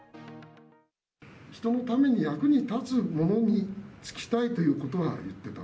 人のために役に立つものに就きたいということは言っていた。